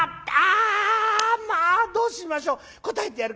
「あまあどうしましょ。